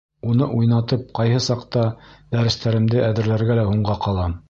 Уны уйнатып, ҡайһы саҡта дәрестәремде әҙерләргә лә һуңға ҡалам.